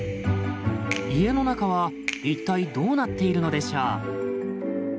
家の中は一体どうなっているのでしょう？